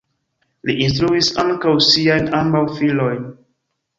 Li instruis ankaŭ siajn ambaŭ filojn.